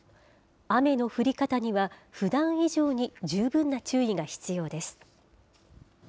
雨の降り方には、ふだん以上に十分な注意が必要です。